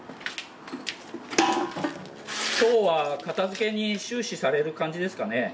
今日は片づけに終始される感じですかね。